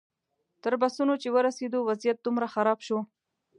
تر بسونو چې ورسېدو وضعیت دومره خراب شو.